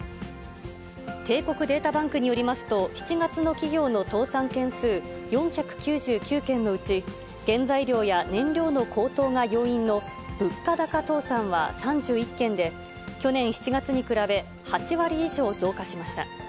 帝国データバンクによりますと、７月の企業の倒産件数４９９件のうち、原材料や燃料の高騰が要因の物価高倒産は３１件で、去年７月に比べ、８割以上増加しました。